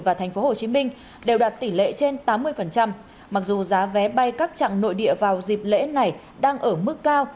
và tp hcm đều đạt tỷ lệ trên tám mươi mặc dù giá vé bay các trạng nội địa vào dịp lễ này đang ở mức cao